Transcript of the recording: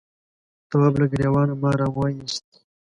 تواب له گرېوانه مار راوایست.